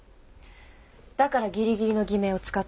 だからぎりぎりの偽名を使った。